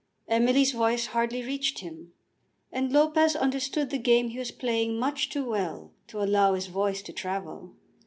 Emily's voice hardly reached him, and Lopez understood the game he was playing much too well to allow his voice to travel.